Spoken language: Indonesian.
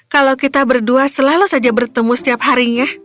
kalau kita berdua selalu saja bertemu setiap harinya